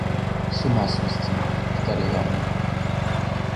С ума свести, — повторила она.